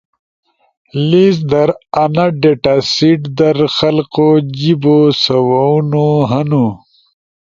لیس در آنا ڈیٹا سیٹ در خلکو جیبو سوونو ہنُو۔